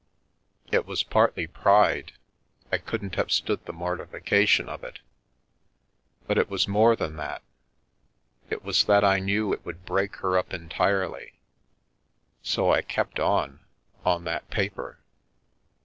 It was partly pride, I couldn't have stood the mortification of it, but it was more than that. It was that I knew it would break her up entirely. So I kept on — on that paper.